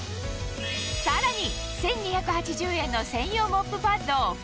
さらに！